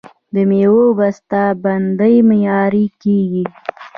د میوو بسته بندي معیاري کیږي.